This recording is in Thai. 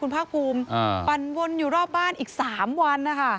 คุณภาคภูมิปั่นวนอยู่รอบบ้านอีก๓วันนะคะ